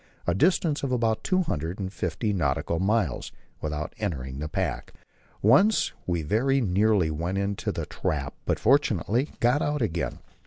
a distance of about two hundred and fifty nautical miles, without entering the pack. Once we very nearly went into the trap, but fortunately got out again.